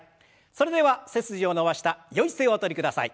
それでは背筋を伸ばしたよい姿勢をおとりください。